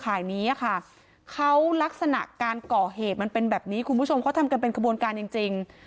นี้ค่ะเขาลักษณะการก่อเหตุมันเป็นแบบนี้คุณผู้ชมเขาทำกันเป็นขบวนการจริงจริง